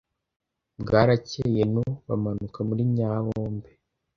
Bwarakeye nu, bamanuka muri Nyabombe,